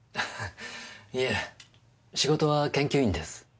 いえ仕事は研究員です。